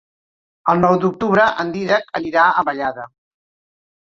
El nou d'octubre en Dídac anirà a Vallada.